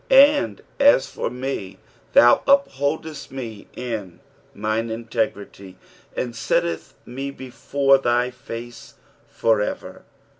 12 And as for me, thou upholdest me in mine integrity, and settest me before thy face for ever.